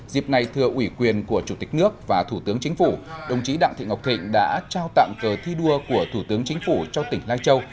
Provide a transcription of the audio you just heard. dịp này thưa ủy quyền của chủ tịch nước và thủ tướng chính phủ đồng chí đặng thị ngọc thịnh đã trao tặng cờ thi đua của thủ tướng chính phủ cho tỉnh lai châu